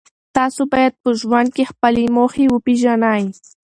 تاسو باید په ژوند کې خپلې موخې وپېژنئ.